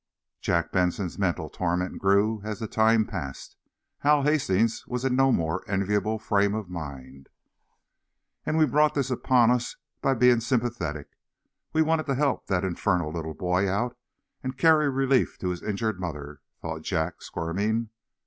Jack Benson's mental torment grew as the time passed. Hal Hastings was in no more enviable frame of mind. "And we brought this upon us by being sympathetic. We wanted to help that infernal little boy out, and carry relief to his injured mother!" thought Jack, squirming.